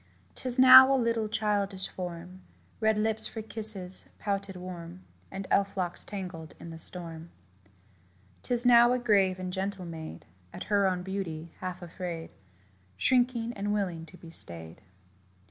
'Tis now a little childish form Red lips for kisses pouted warm And elf locks tangled in the storm. 'Tis now a grave and gentle maid, At her own beauty half afraid, Shrinking, and willing to be stayed.